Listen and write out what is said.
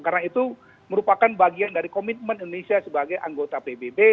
karena itu merupakan bagian dari komitmen indonesia sebagai anggota pbb